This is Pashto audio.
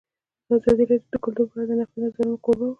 ازادي راډیو د کلتور په اړه د نقدي نظرونو کوربه وه.